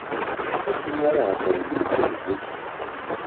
Acimi ara heddren medden deg-k?